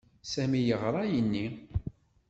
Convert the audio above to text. Sami yeɣra ayenni.